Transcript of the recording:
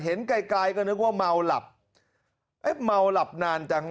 ไกลไกลก็นึกว่าเมาหลับเอ๊ะเมาหลับนานจัง